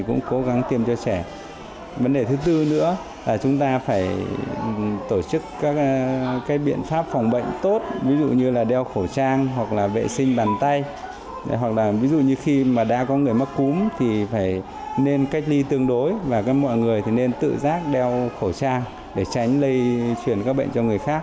cách ly tương đối và các mọi người nên tự giác đeo khẩu trang